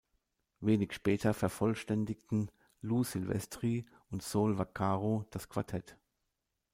Wenig später vervollständigten Lou Silvestri und Sol Vaccaro das Quartett.